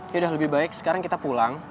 yaudah lebih baik sekarang kita pulang